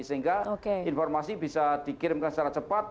sehingga informasi bisa dikirimkan secara cepat